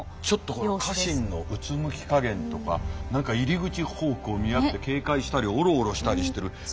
ちょっとこれ家臣のうつむきかげんとか何か入り口方向を見やって警戒したりおろおろしたりしてる。